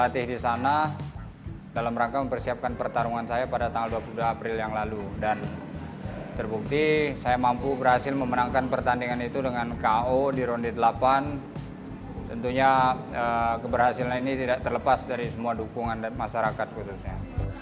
tentunya keberhasilan ini tidak terlepas dari semua dukungan dan masyarakat khususnya